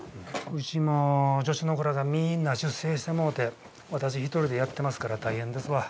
うちも助手の子らがみんな出征してもうて私一人でやってますから大変ですわ。